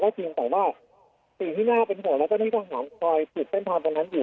แล้วก็จริงแต่ว่าสิ่งที่น่าเป็นโหลแล้วก็ให้ทหารคอยจิตเป็นพร้อมตอนนั้นอยู่